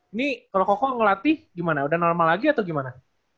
ini kalau koko ngelatih gimana udah normal lagi atau gimana